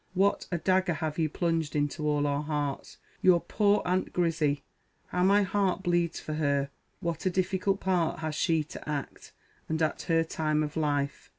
What a _dagger _have you plunged into all our hearts! Your _poor _Aunt Grizzy! how my heart bleeds for her! What a difficult part has she to act! and at her time of life!